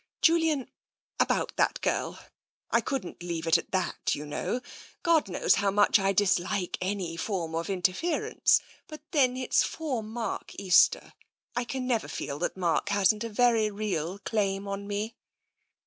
"Julian — about that girl — I couldn't leave it at that, you know. God knows how much I dislike any form of interference, but then it's for Mark Easter — I can never feel that Mark hasn't a very real claim on me."